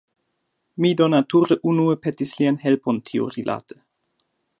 Mi do nature unue petis lian helpon tiurilate.